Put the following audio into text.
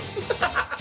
ハハハハ！